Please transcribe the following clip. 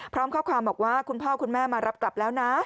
พร้อมข้อความบอกว่าคุณพ่อคุณแม่มารับกลับแล้วนะ